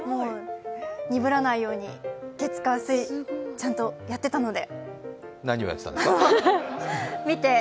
鈍らないようにちゃんとやってたので。